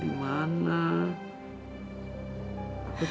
demikian aja sih fires